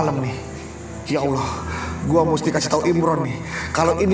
mari kita mulai acara pemakaman